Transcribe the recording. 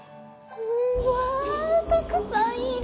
うわたくさんいる。